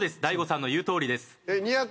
大悟さんの言うとおりです。